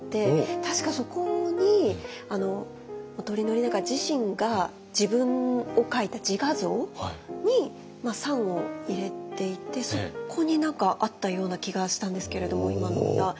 確かそこに本居宣長自身が自分を描いた自画像に賛を入れていてそこに何かあったような気がしたんですけれども今の歌。